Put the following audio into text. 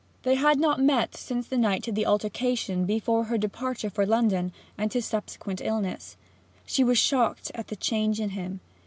They had not met since that night of altercation, before her departure for London and his subsequent illness. She was shocked at the change in him.